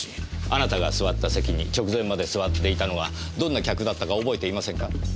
あなたが座った席に直前まで座っていたのはどんな客だったか覚えていませんか？